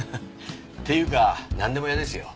っていうかなんでも屋ですよ。